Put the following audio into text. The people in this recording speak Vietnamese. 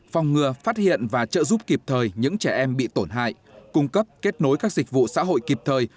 phòng ngừa phát hiện và trợ giúp kịp thời những trẻ em bị tổn hại cung cấp kết nối các dịch vụ xã hội kịp thời